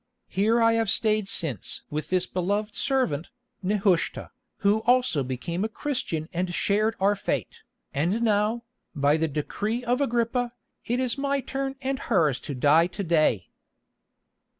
Here I have stayed since with this beloved servant, Nehushta, who also became a Christian and shared our fate, and now, by the decree of Agrippa, it is my turn and hers to die to day."